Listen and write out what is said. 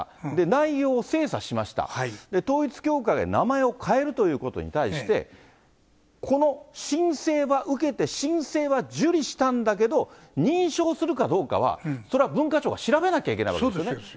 内容精査しました、統一教会が名前を変えるということに対して、この申請は受けて、申請は受理したんだけど、認証するかどうかはそれは文化庁が調べなければいけないわけですそうです。